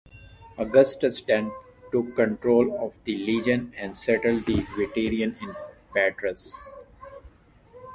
Augustus then took control of the legion and settled the veterans in Patras.